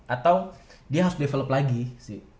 atau dia harus develop lagi sih